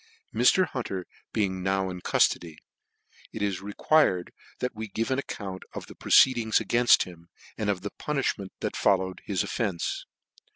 Mr. Hunter being now in cuftody, it is requi fite that we give an account of the proceedings againft him, and of the punifhment that followed his offence.